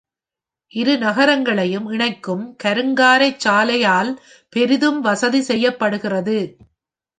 இரு நகரங்களையும் இணைக்கும் கருங்காரை சாலையால் பெரிதும் வசதி செய்யப்படுகிறது.